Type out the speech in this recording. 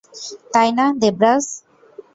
তাই না, দেবরাজ?